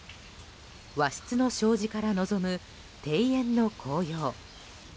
和室の障子から望む庭園の紅葉。